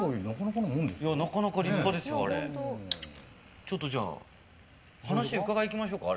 ちょっとじゃあ話伺いに行きましょうか？